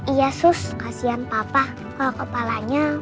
iya sus kasihan bapak kalo kepalanya